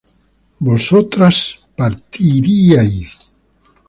vosotras partiríais